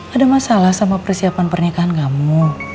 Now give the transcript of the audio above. ada masalah sama persiapan pernikahan kamu